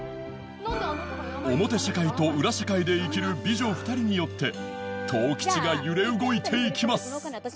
表社会と裏社会で生きる美女２人によって十吉が揺れ動いていきます